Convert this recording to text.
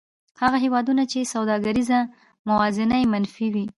هغه هېوادونه چې سوداګریزه موازنه یې منفي وي